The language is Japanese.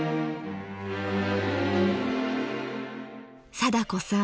貞子さん